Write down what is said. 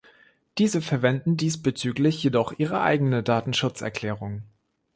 Diese verwenden diesbezüglich jedoch ihre eigene Datenschutzerklärung.